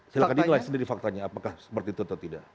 silahkan dinilai sendiri faktanya apakah seperti itu atau tidak